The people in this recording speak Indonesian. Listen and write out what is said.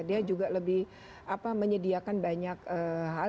dia juga lebih menyediakan banyak hal